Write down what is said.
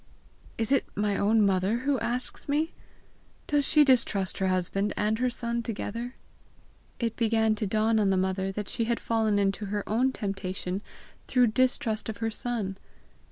"Is it my own mother asks me? Does she distrust her husband and her son together?" It began to dawn on the mother that she had fallen into her own temptation through distrust of her son.